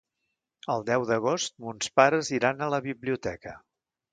El deu d'agost mons pares iran a la biblioteca.